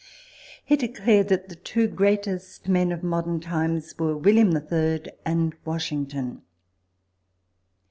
He declared that the two greatest men of modern times were William the Third and Washington.